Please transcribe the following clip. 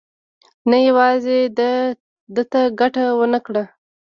نه یوازې ده ته ګټه ونه کړه.